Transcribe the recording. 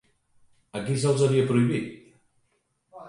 A qui se'ls havia prohibit?